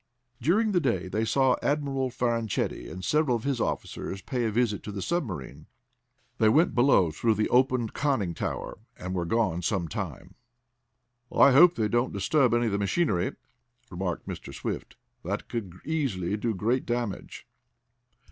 During the day they saw Admiral Fanchetti and several of his officers pay a visit to the submarine. They went below through the opened conning tower, and were gone some time. "I hope they don't disturb any of the machinery," remarked Mr. Swift. "That could easily do great damage."